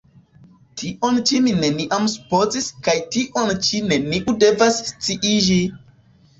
tion ĉi mi neniam supozis kaj tion ĉi neniu devas sciiĝi!